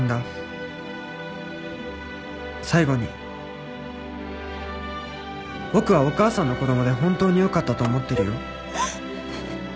「最後に僕はお母さんの子供で本当に良かったと思ってるよ」